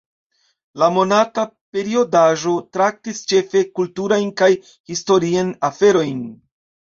La monata periodaĵo traktis ĉefe kulturajn kaj historiajn aferojn.